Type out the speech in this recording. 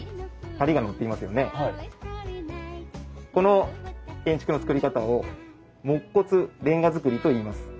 この建築の造り方を木骨煉瓦造りといいます。